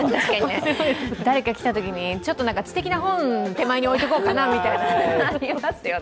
誰か来たときに、ちょっと知的な本を手前に置いておこうかなというのがありますよね。